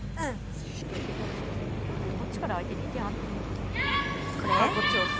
こっちから２点。